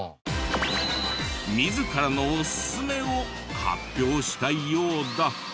自らのおすすめを発表したいようだ。